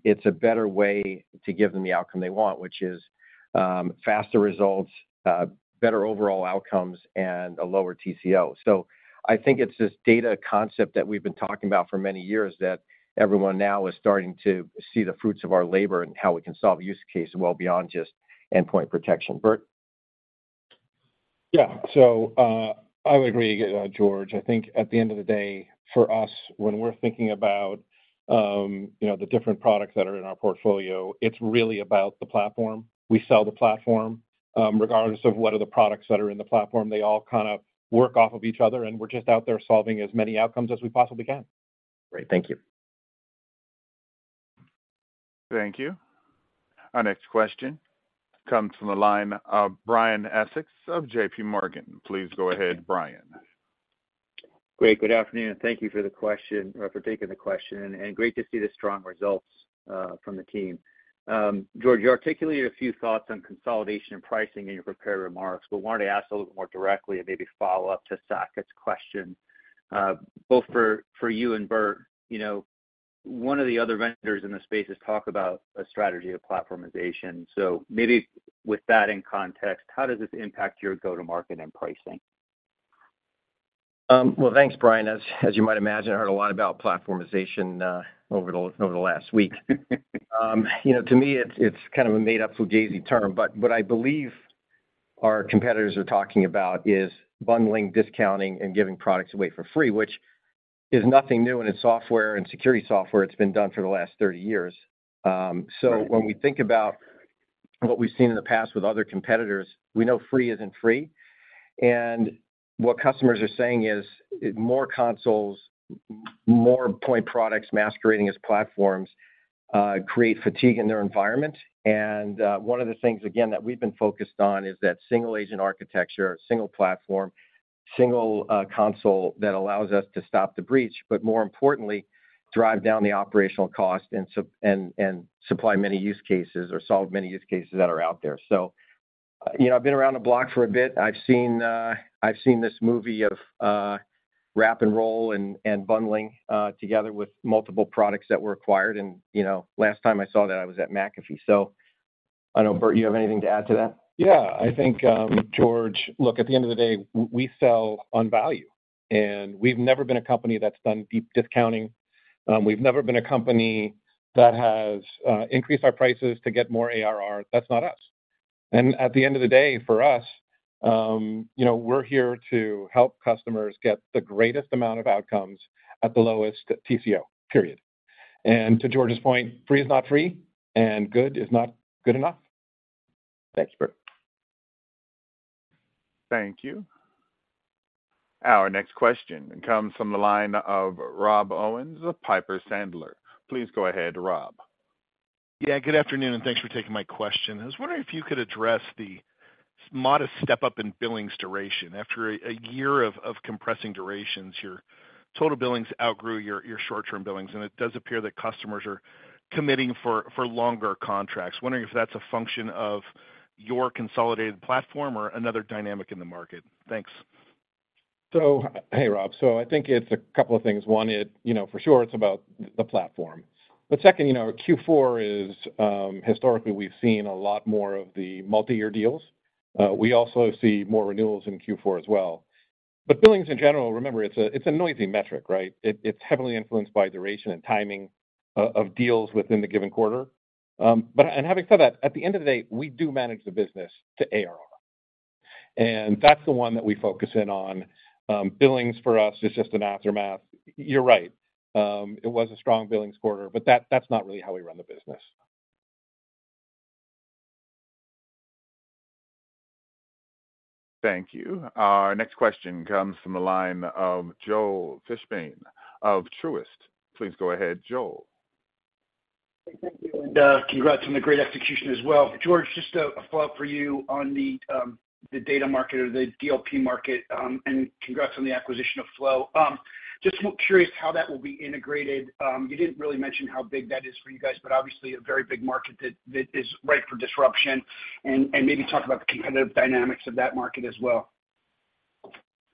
It's a better way to give them the outcome they want, which is faster results, better overall outcomes, and a lower TCO. So I think it's this data concept that we've been talking about for many years that everyone now is starting to see the fruits of our labor and how we can solve use cases well beyond just endpoint protection. Burt? Yeah, so I would agree, George. I think at the end of the day, for us, when we're thinking about the different products that are in our portfolio, it's really about the platform. We sell the platform. Regardless of what are the products that are in the platform, they all kind of work off of each other, and we're just out there solving as many outcomes as we possibly can. Great. Thank you. Thank you. Our next question comes from the line of Brian Essex of JPMorgan. Please go ahead, Brian. Great. Good afternoon. Thank you for taking the question, and great to see the strong results from the team. George, you articulated a few thoughts on consolidation and pricing in your prepared remarks, but wanted to ask a little bit more directly and maybe follow up to Saket's question. Both for you and Burt, one of the other vendors in the space has talked about a strategy of platformization. So maybe with that in context, how does this impact your go-to-market and pricing? Well, thanks, Brian. As you might imagine, I heard a lot about platformization over the last week. To me, it's kind of a made-up fugazi term, but what I believe our competitors are talking about is bundling, discounting, and giving products away for free, which is nothing new in software and security software. It's been done for the last 30 years. So when we think about what we've seen in the past with other competitors, we know free isn't free. And what customers are saying is more consoles, more point products masquerading as platforms create fatigue in their environment. And one of the things, again, that we've been focused on is that single agent architecture, single platform, single console that allows us to stop the breach, but more importantly, drive down the operational cost and supply many use cases or solve many use cases that are out there. So I've been around the block for a bit. I've seen this movie of wrap and roll and bundling together with multiple products that were acquired. And last time I saw that, I was at McAfee. So I don't know, Burt, you have anything to add to that? Yeah, I think, George, look, at the end of the day, we sell on value. And we've never been a company that's done deep discounting. We've never been a company that has increased our prices to get more ARR. That's not us. And at the end of the day, for us, we're here to help customers get the greatest amount of outcomes at the lowest TCO, period. And to George's point, free is not free, and good is not good enough. Thank you, Burt. Thank you. Our next question comes from the line of Rob Owens of Piper Sandler. Please go ahead, Rob. Yeah, good afternoon, and thanks for taking my question. I was wondering if you could address the modest step-up in billings duration. After a year of compressing durations, your total billings outgrew your short-term billings, and it does appear that customers are committing for longer contracts. Wondering if that's a function of your consolidated platform or another dynamic in the market. Thanks. So hey, Rob. So I think it's a couple of things. One, for sure, it's about the platform. But second, Q4 is historically, we've seen a lot more of the multi-year deals. We also see more renewals in Q4 as well. But billings in general, remember, it's a noisy metric, right? It's heavily influenced by duration and timing of deals within the given quarter. And having said that, at the end of the day, we do manage the business to ARR. And that's the one that we focus in on. Billings for us is just an aftermath. You're right. It was a strong billings quarter, but that's not really how we run the business. Thank you. Our next question comes from the line of Joel Fishbein of Truist. Please go ahead, Joel. Thank you, and congrats on the great execution as well. George, just a follow-up for you on the data market or the DLP market, and congrats on the acquisition of Flow. Just curious how that will be integrated. You didn't really mention how big that is for you guys, but obviously, a very big market that is ripe for disruption. And maybe talk about the competitive dynamics of that market as well.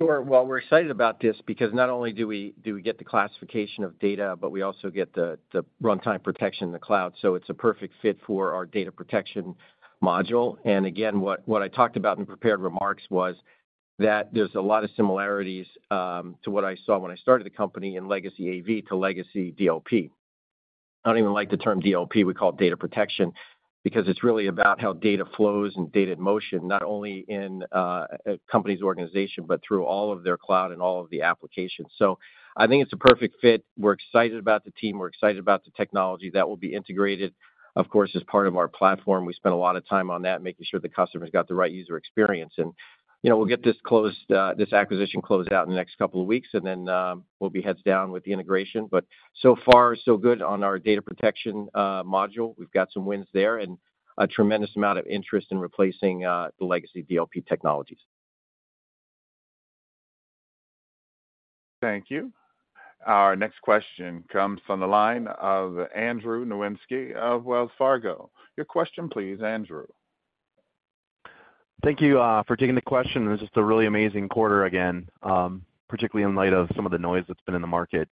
Sure. Well, we're excited about this because not only do we get the classification of data, but we also get the runtime protection in the cloud. So it's a perfect fit for our data protection module. And again, what I talked about in prepared remarks was that there's a lot of similarities to what I saw when I started the company in legacy AV to legacy DLP. I don't even like the term DLP. We call it data protection because it's really about how data flows and data in motion, not only in a company's organization, but through all of their cloud and all of the applications. So I think it's a perfect fit. We're excited about the team. We're excited about the technology that will be integrated, of course, as part of our platform. We spent a lot of time on that, making sure the customer's got the right user experience. We'll get this acquisition closed out in the next couple of weeks, and then we'll be heads down with the integration. So far, so good on our data protection module. We've got some wins there and a tremendous amount of interest in replacing the legacy DLP technologies. Thank you. Our next question comes from the line of Andrew Nowinski of Wells Fargo. Your question, please, Andrew. Thank you for taking the question. It was just a really amazing quarter again, particularly in light of some of the noise that's been in the market.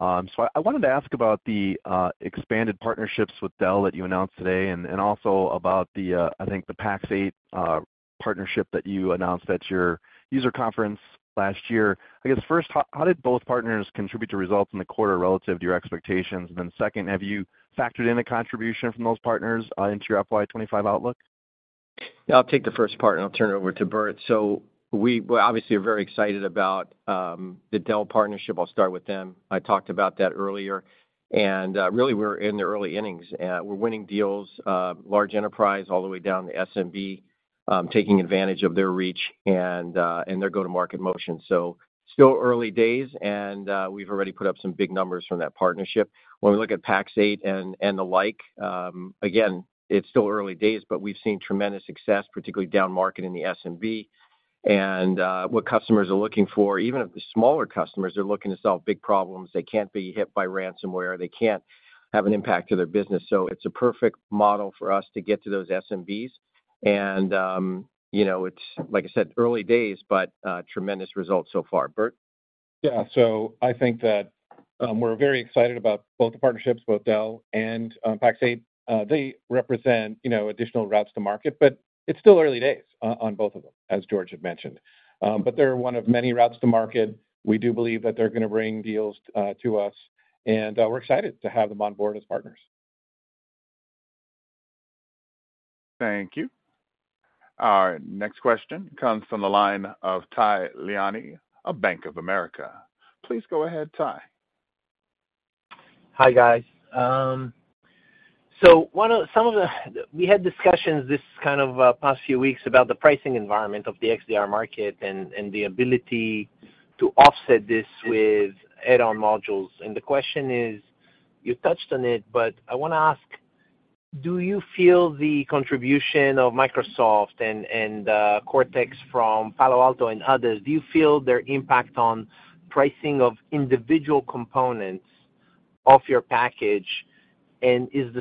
So I wanted to ask about the expanded partnerships with Dell that you announced today and also about, I think, the Pax8 partnership that you announced at your user conference last year. I guess first, how did both partners contribute to results in the quarter relative to your expectations? And then second, have you factored in a contribution from those partners into your FY25 outlook? Yeah, I'll take the first part, and I'll turn it over to Burt. We obviously are very excited about the Dell partnership. I'll start with them. I talked about that earlier. Really, we're in the early innings. We're winning deals, large enterprise all the way down to SMB, taking advantage of their reach and their go-to-market motion. Still early days, and we've already put up some big numbers from that partnership. When we look at Pax8 and the like, again, it's still early days, but we've seen tremendous success, particularly down market in the SMB. What customers are looking for, even if the smaller customers are looking to solve big problems, they can't be hit by ransomware. They can't have an impact to their business. It's a perfect model for us to get to those SMBs. It's, like I said, early days, but tremendous results so far. Burt? Yeah, so I think that we're very excited about both the partnerships, both Dell and Pax8. They represent additional routes to market, but it's still early days on both of them, as George had mentioned. But they're one of many routes to market. We do believe that they're going to bring deals to us. And we're excited to have them on board as partners. Thank you. Our next question comes from the line of Tal Liani of Bank of America. Please go ahead, Tal. Hi, guys. Some of the discussions we had in the past few weeks about the pricing environment of the XDR market and the ability to offset this with add-on modules. The question is you touched on it, but I want to ask, do you feel the contribution of Microsoft and Cortex from Palo Alto and others, do you feel their impact on pricing of individual components of your package? Is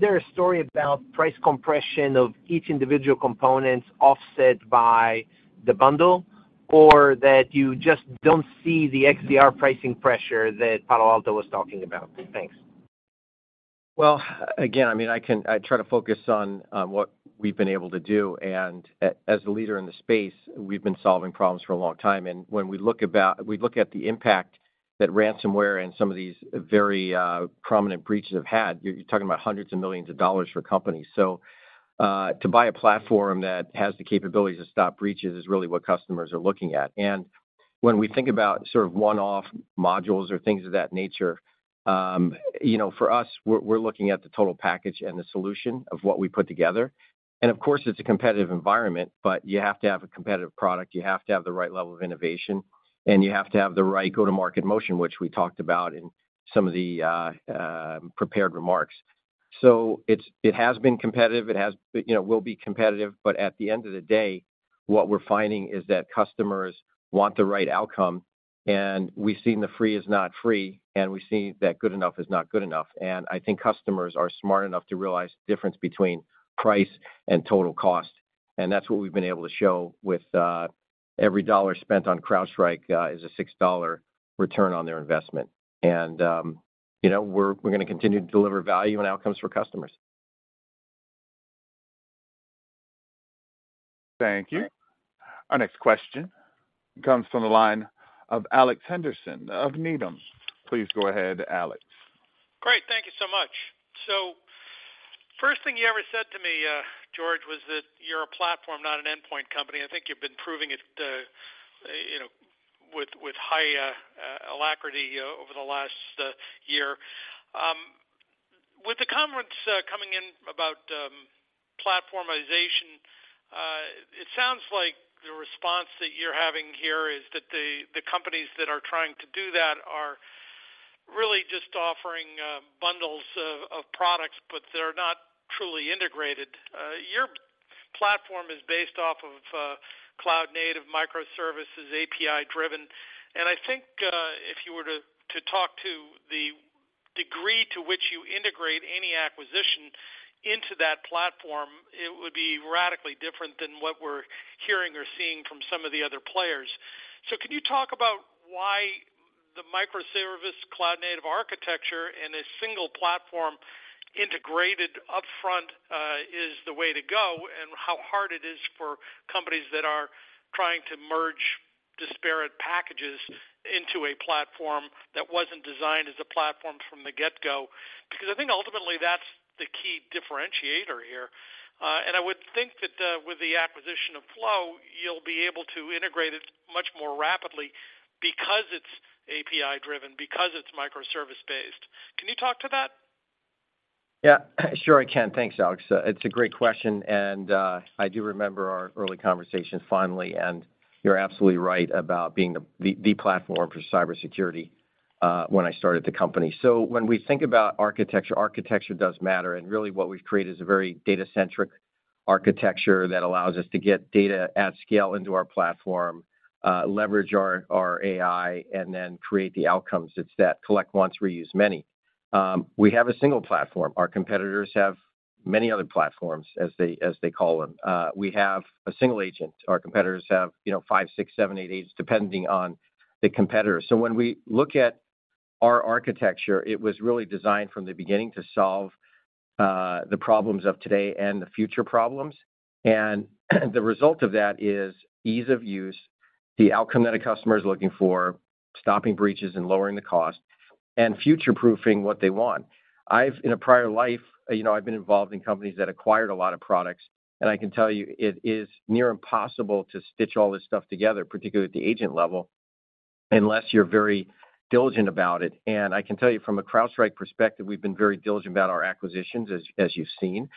there a story about price compression of each individual component offset by the bundle, or that you just don't see the XDR pricing pressure that Palo Alto was talking about? Thanks. Well, again, I mean, I try to focus on what we've been able to do. As a leader in the space, we've been solving problems for a long time. When we look at the impact that ransomware and some of these very prominent breaches have had, you're talking about $hundreds of millions for companies. So to buy a platform that has the capabilities to stop breaches is really what customers are looking at. When we think about sort of one-off modules or things of that nature, for us, we're looking at the total package and the solution of what we put together. Of course, it's a competitive environment, but you have to have a competitive product. You have to have the right level of innovation. And you have to have the right go-to-market motion, which we talked about in some of the prepared remarks. So it has been competitive. It will be competitive. But at the end of the day, what we're finding is that customers want the right outcome. And we've seen the free is not free, and we've seen that good enough is not good enough. And I think customers are smart enough to realize the difference between price and total cost. And that's what we've been able to show with every dollar spent on CrowdStrike is a $6 return on their investment. And we're going to continue to deliver value and outcomes for customers. Thank you. Our next question comes from the line of Alex Henderson of Needham. Please go ahead, Alex. Great. Thank you so much. So first thing you ever said to me, George, was that you're a platform, not an endpoint company. I think you've been proving it with high alacrity over the last year. With the conference coming in about platformization, it sounds like the response that you're having here is that the companies that are trying to do that are really just offering bundles of products, but they're not truly integrated. Your platform is based off of cloud-native, microservices, API-driven. And I think if you were to talk to the degree to which you integrate any acquisition into that platform, it would be radically different than what we're hearing or seeing from some of the other players. So can you talk about why the microservice, cloud-native architecture, and a single platform integrated upfront is the way to go and how hard it is for companies that are trying to merge disparate packages into a platform that wasn't designed as a platform from the get-go? Because I think ultimately, that's the key differentiator here. And I would think that with the acquisition of Flow, you'll be able to integrate it much more rapidly because it's API-driven, because it's microservice-based. Can you talk to that? Yeah, sure I can. Thanks, Alex. It's a great question. I do remember our early conversation, finally. You're absolutely right about being the platform for cybersecurity when I started the company. When we think about architecture, architecture does matter. Really, what we've created is a very data-centric architecture that allows us to get data at scale into our platform, leverage our AI, and then create the outcomes. It's that collect once, reuse many. We have a single platform. Our competitors have many other platforms, as they call them. We have a single agent. Our competitors have 5, 6, 7, 8 agents, depending on the competitor. When we look at our architecture, it was really designed from the beginning to solve the problems of today and the future problems. The result of that is ease of use, the outcome that a customer is looking for, stopping breaches and lowering the cost, and future-proofing what they want. In a prior life, I've been involved in companies that acquired a lot of products. I can tell you, it is near impossible to stitch all this stuff together, particularly at the agent level, unless you're very diligent about it. I can tell you, from a CrowdStrike perspective, we've been very diligent about our acquisitions, as you've seen,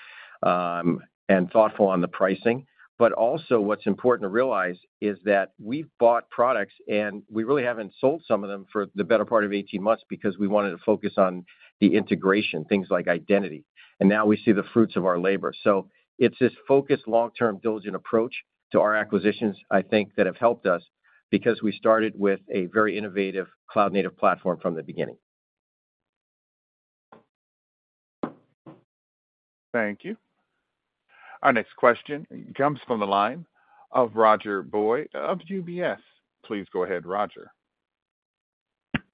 and thoughtful on the pricing. Also, what's important to realize is that we've bought products, and we really haven't sold some of them for the better part of 18 months because we wanted to focus on the integration, things like identity. Now we see the fruits of our labor. It's this focused, long-term, diligent approach to our acquisitions, I think, that have helped us because we started with a very innovative cloud-native platform from the beginning. Thank you. Our next question comes from the line of Roger Boyd of UBS. Please go ahead, Roger.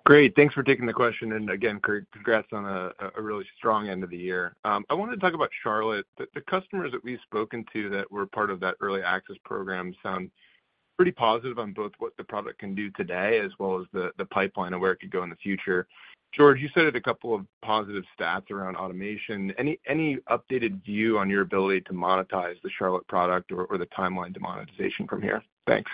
Great. Thanks for taking the question. And again, congrats on a really strong end of the year. I wanted to talk about Charlotte. The customers that we've spoken to that were part of that early access program sound pretty positive on both what the product can do today as well as the pipeline of where it could go in the future. George, you cited a couple of positive stats around automation. Any updated view on your ability to monetize the Charlotte product or the timeline to monetization from here? Thanks.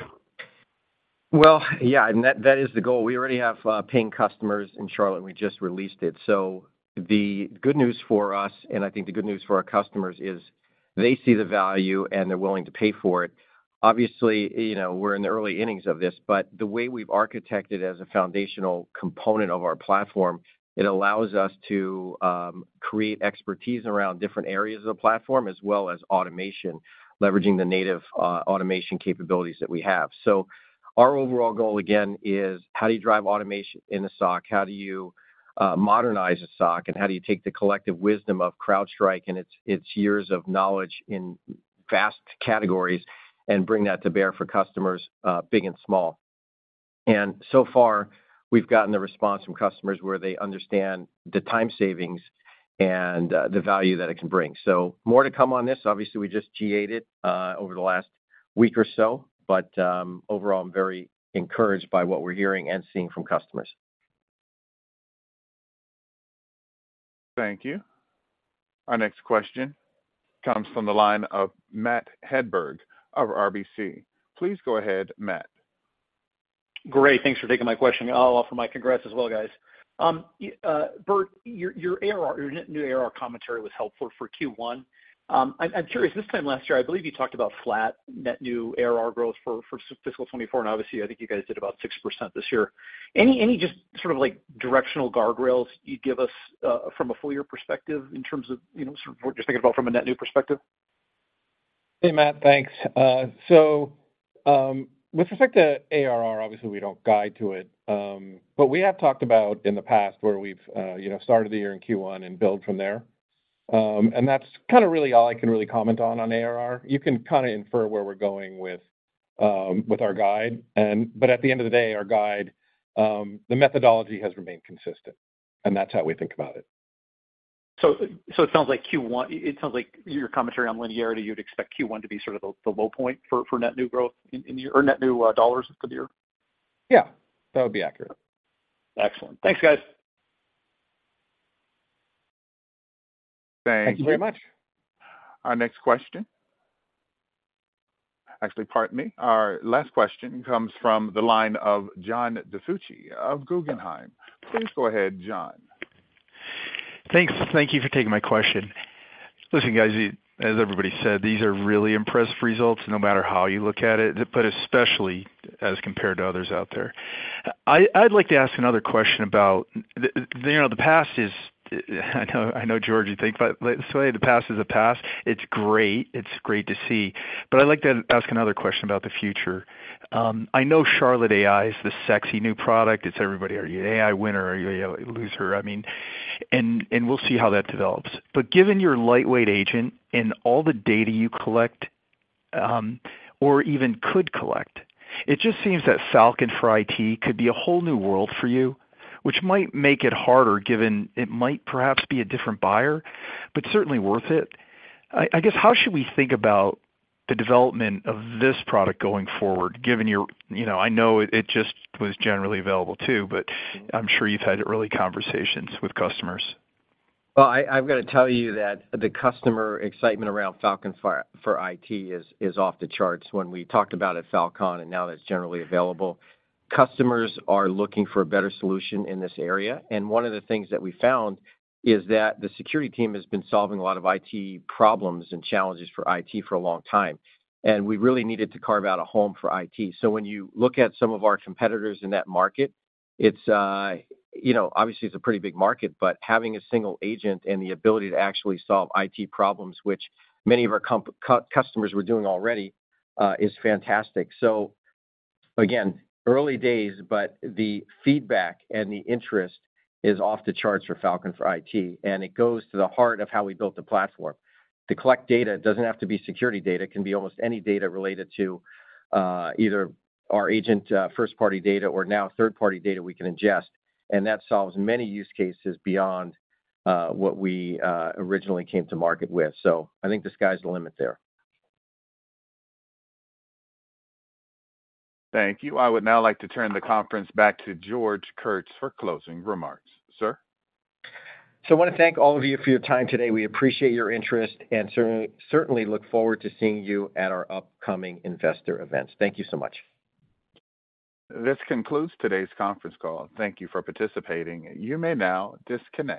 Well, yeah, and that is the goal. We already have paying customers in Charlotte. We just released it. So the good news for us, and I think the good news for our customers, is they see the value, and they're willing to pay for it. Obviously, we're in the early innings of this. But the way we've architected as a foundational component of our platform, it allows us to create expertise around different areas of the platform as well as automation, leveraging the native automation capabilities that we have. So our overall goal, again, is how do you drive automation in a SOC? How do you modernize a SOC? And how do you take the collective wisdom of CrowdStrike and its years of knowledge in vast categories and bring that to bear for customers, big and small? So far, we've gotten the response from customers where they understand the time savings and the value that it can bring. More to come on this. Obviously, we just GA'd it over the last week or so. Overall, I'm very encouraged by what we're hearing and seeing from customers. Thank you. Our next question comes from the line of Matt Hedberg of RBC. Please go ahead, Matt. Great. Thanks for taking my question. I'll offer my congrats as well, guys. Burt, your new ARR commentary was helpful for Q1. I'm curious. This time last year, I believe you talked about flat net new ARR growth for fiscal 2024. And obviously, I think you guys did about 6% this year. Any just sort of directional guardrails you'd give us from a full-year perspective in terms of sort of what you're thinking about from a net new perspective? Hey, Matt. Thanks. So with respect to ARR, obviously, we don't guide to it. But we have talked about in the past where we've started the year in Q1 and build from there. And that's kind of really all I can really comment on on ARR. You can kind of infer where we're going with our guide. But at the end of the day, our guide, the methodology has remained consistent. And that's how we think about it. So, it sounds like your commentary on linearity, you'd expect Q1 to be sort of the low point for net new growth in the year or net new dollars for the year? Yeah, that would be accurate. Excellent. Thanks, guys. Thank you very much. Our next question, actually. Pardon me. Our last question comes from the line of John DiFucci of Guggenheim. Please go ahead, John. Thanks. Thank you for taking my question. Listen, guys, as everybody said, these are really impressive results, no matter how you look at it, but especially as compared to others out there. I'd like to ask another question about the past is I know, George, you think, "So hey, the past is the past." It's great. It's great to see. But I'd like to ask another question about the future. I know Charlotte AI is the sexy new product. Is everybody an AI winner or a loser? I mean, and we'll see how that develops. But given your lightweight agent and all the data you collect or even could collect, it just seems that Falcon for IT could be a whole new world for you, which might make it harder given it might perhaps be a different buyer, but certainly worth it. I guess, how should we think about the development of this product going forward, given, you know, it just was generally available too, but I'm sure you've had early conversations with customers. Well, I've got to tell you that the customer excitement around Falcon for IT is off the charts when we talked about at Falcon, and now that it's generally available. Customers are looking for a better solution in this area. One of the things that we found is that the security team has been solving a lot of IT problems and challenges for IT for a long time. We really needed to carve out a home for IT. When you look at some of our competitors in that market, it's obviously, it's a pretty big market, but having a single agent and the ability to actually solve IT problems, which many of our customers were doing already, is fantastic. Again, early days, but the feedback and the interest is off the charts for Falcon for IT. It goes to the heart of how we built the platform. To collect data doesn't have to be security data. It can be almost any data related to either our agent first-party data or now third-party data we can ingest. That solves many use cases beyond what we originally came to market with. I think the sky's the limit there. Thank you. I would now like to turn the conference back to George Kurtz for closing remarks. Sir? I want to thank all of you for your time today. We appreciate your interest and certainly look forward to seeing you at our upcoming investor events. Thank you so much. This concludes today's conference call. Thank you for participating. You may now disconnect.